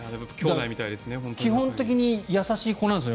基本的に優しい子なんですね